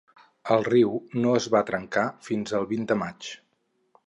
El riu no es va trencar fins al vint de maig.